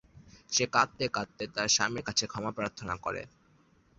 সে কাঁদতে কাঁদতে তার স্বামীর কাছে ক্ষমা প্রার্থনা করে।